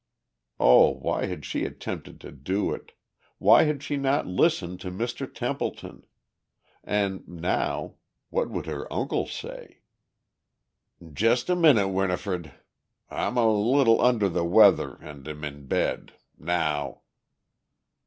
Oh, why had she attempted to do it, why had she not listened to Mr. Templeton? And, now, what would her uncle say? "Just a minute, Winifred. I'm a little under the weather and am in bed. Now."